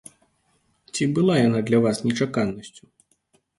Ці была яна для вас нечаканасцю?